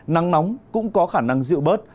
nắng nóng cũng có khả năng dịu bớt